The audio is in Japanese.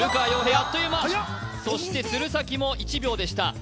あっという間そして鶴崎も１秒でした